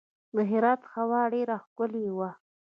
د هرات هوا ډیره ښکلې وه.